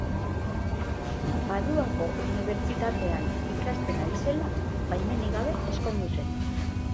Paduako Unibertsitatean ikasten ari zela, baimenik gabe ezkondu zen.